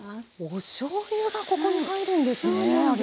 おしょうゆがここに入るんですね有元さん。